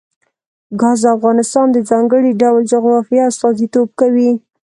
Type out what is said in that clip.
ګاز د افغانستان د ځانګړي ډول جغرافیه استازیتوب کوي.